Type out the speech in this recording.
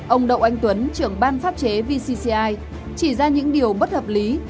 ông đậu anh tuấn trưởng ban pháp chế vcci chỉ ra những điều bất hợp lý